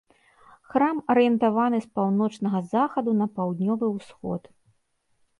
Храм арыентаваны з паўночнага захаду на паўднёвы ўсход.